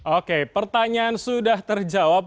oke pertanyaan sudah terjawab